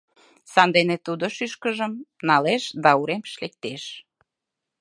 Сандене тудо шӱшкышыжым налеш да уремыш лектеш.